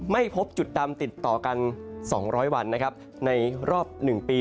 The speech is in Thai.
ไม่พบจุดดำติดต่อกัน๒๐๐วันนะครับในรอบ๑ปี